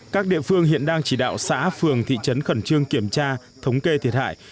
các địa phương hiện đang chỉ đạo xã phường thị trấn khẩn trương kiểm tra thống kê thiệt hại